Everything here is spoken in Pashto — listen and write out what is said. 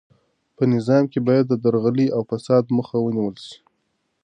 په نظام کې باید د درغلۍ او فساد مخه ونیول سي.